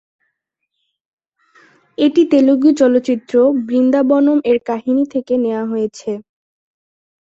এটি তেলুগু চলচ্চিত্র "বৃন্দাবনম"-এর কাহিনি থেকে নেয়া হয়েছে।